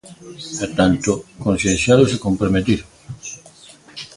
E tanto, concienciados e comprometidos.